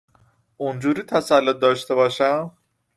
اونجوری تسلط داشه باشم